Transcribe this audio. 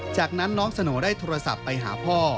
จากนั้นน้องสโน่ได้โทรศัพท์ไปหาพ่อ